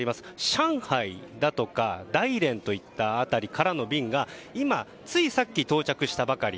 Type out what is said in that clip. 上海とか大連といった辺りからの便がついさっき到着したばかり。